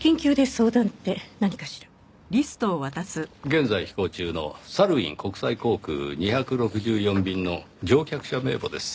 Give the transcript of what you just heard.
現在飛行中のサルウィン国際航空２６４便の乗客者名簿です。